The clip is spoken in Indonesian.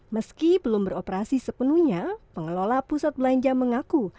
meski belum beroperasi sepenuhnya pengelola pusat belanja mengaku